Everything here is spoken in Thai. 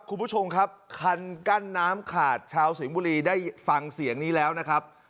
คุณผู้ชมครับคันกั้นน้ำขาดชาวสิงห์บุรีได้ฟังเสียงนี้แล้วนะครับ